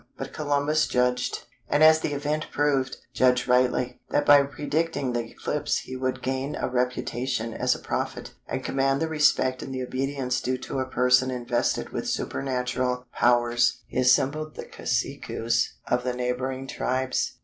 But Columbus judged—and as the event proved, judged rightly—that by predicting the eclipse he would gain a reputation as a prophet, and command the respect and the obedience due to a person invested with supernatural powers. He assembled the caciques of the neighbouring tribes.